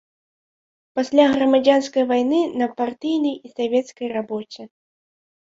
Пасля грамадзянскай вайны на партыйнай і савецкай рабоце.